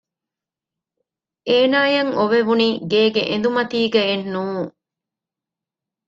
އޭނާއަށް އޮވެވުނީ ގޭގެ އެނދުމަތީގައެއް ނޫން